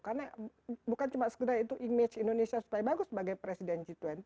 karena bukan cuma sekedar itu image indonesia sebagai bagus sebagai presiden g dua puluh